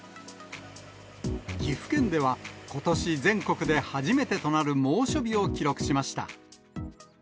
岐阜県ではことし全国で初めてとなる猛暑日を記録しました。